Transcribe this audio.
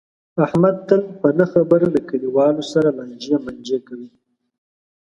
احمد تل په نه خبره له کلیواو سره لانجې مانجې کوي.